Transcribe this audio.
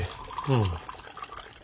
うん。